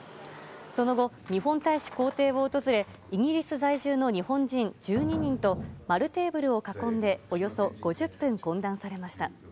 その後、日本大使公邸を訪れイギリス在住の日本人１２人と丸テーブルを囲んでおよそ５０分、懇談されました。